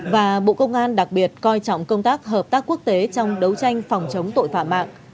và bộ công an đặc biệt coi trọng công tác hợp tác quốc tế trong đấu tranh phòng chống tội phạm mạng